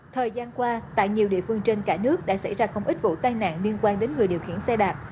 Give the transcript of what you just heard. thời gian qua tại nhiều địa phương trên cả nước đã xảy ra không ít vụ tai nạn liên quan đến người điều khiển xe đạp